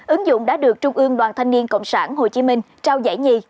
ứng dụng đã được trung ương đoàn thanh niên cộng sản hồ chí minh trao giải nhì